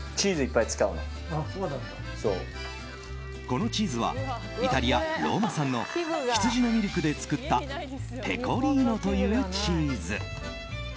このチーズはイタリア・ローマ産の羊のミルクで作ったペコリーノというチーズ。